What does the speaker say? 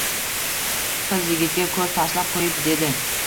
Qiz yigitga koʻz tashlab qoʻyib dedi.